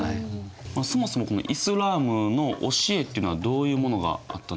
そもそもイスラームの教えっていうのはどういうものがあったんですか？